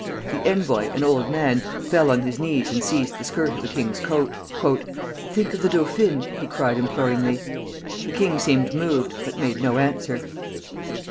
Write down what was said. The envoy, an old man, fell on his knees and seized the skirt of the king's coat. "Think of the dauphine!" he cried, imploringly. The king seemed moved, but made no answer.